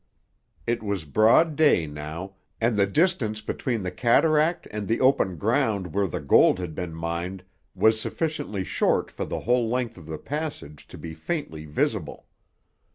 It was broad day now, and the distance between the cataract and the open ground where the gold had been mined was sufficiently short for the whole length of the passage to be faintly visible.